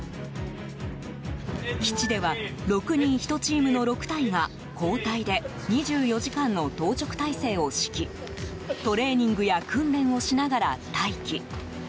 基地では、６人１チームの６隊が交代で２４時間の当直体制を敷きトレーニングや訓練をしながら待機。